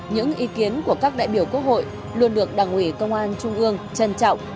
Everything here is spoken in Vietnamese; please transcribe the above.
những ý kiến của các đại biểu quốc hội luôn được đảng ủy công an trung ương trân trọng